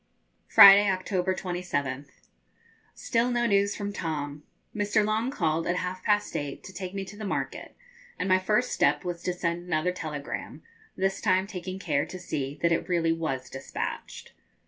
Friday, October 27th. Still no news from Tom. Mr. Long called at half past eight, to take me to the market, and my first step was to send another telegram, this time taking care to see that it really was despatched.